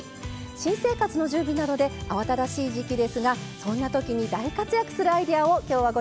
新生活の準備などで慌ただしい時期ですがそんな時に大活躍するアイデアを今日はご紹介します。